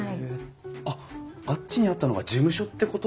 あっあっちにあったのが事務所ってことですか？